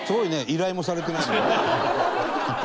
依頼もされてないのにね。